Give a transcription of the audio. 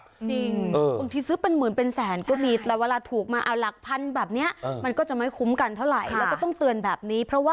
จริงบางทีซื้อเป็นหมื่นเป็นแสนก็มีแต่เวลาถูกมาเอาหลักพันแบบนี้มันก็จะไม่คุ้มกันเท่าไหร่แล้วก็ต้องเตือนแบบนี้เพราะว่า